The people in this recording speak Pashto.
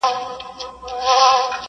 • جهاني مي د پښتون غزل اسمان دی.